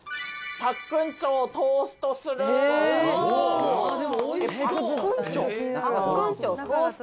パックンチョをトースト？